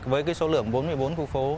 với số lượng bốn mươi bốn khu phố